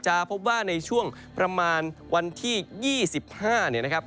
จะพบว่าในช่วงประมาณวันที่๒๕นะครับ